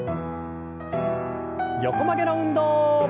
横曲げの運動。